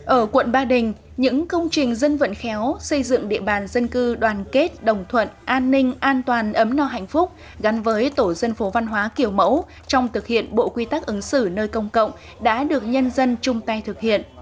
ở quận ba đình những công trình dân vận khéo xây dựng địa bàn dân cư đoàn kết đồng thuận an ninh an toàn ấm no hạnh phúc gắn với tổ dân phố văn hóa kiểu mẫu trong thực hiện bộ quy tắc ứng xử nơi công cộng đã được nhân dân chung tay thực hiện